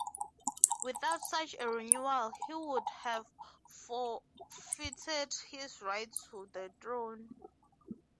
Without such a renewal he would have forfeited his right to the throne.